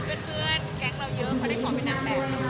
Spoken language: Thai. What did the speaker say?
เพื่อนแก๊งเราเยอะเขาได้ขอเป็นนางแบบ